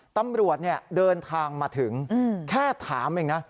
ตำรวจเดินทางมาถึงแค่ถามเองนะ